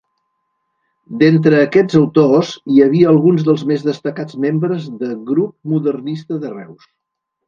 D'entre aquests autors hi havia alguns dels més destacats membres de Grup modernista de Reus.